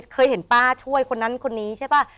เคยเห็นป้าช่วยคนนั้นคนนี้ใช่ป่ะ